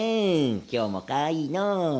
今日もかわいいのう。